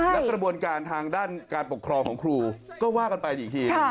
และกระบวนการทางด้านการปกครองของครูก็ว่ากันไปอีกที